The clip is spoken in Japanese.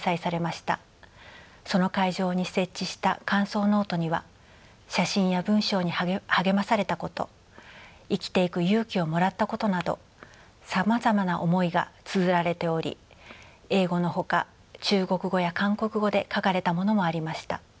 その会場に設置した感想ノートには写真や文章に励まされたこと生きていく勇気をもらったことなどさまざまな思いがつづられており英語のほか中国語や韓国語で書かれたものもありました。